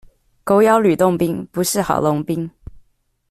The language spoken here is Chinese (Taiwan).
狗咬呂洞賓，不識郝龍斌